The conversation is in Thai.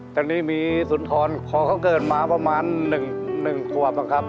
ตอนนี้มีสุนทรคอเขาเกิดมาประมาณ๑ขวบนะครับ